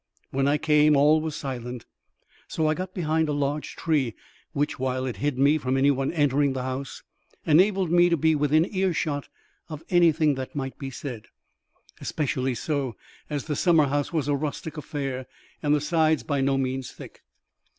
When I came, all was silent; so I got behind a large tree, which, while it hid me from any one entering the house, enabled me to be within earshot of anything that might be said, especially so as the summer house was a rustic affair, and the sides by no means thick.